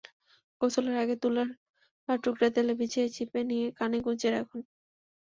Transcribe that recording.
গোসলের আগে তুলার টুকরা তেলে ভিজিয়ে চিপে নিয়ে কানে গুঁজে রাখুন।